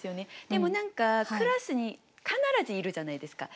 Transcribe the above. でも何かクラスに必ずいるじゃないですか。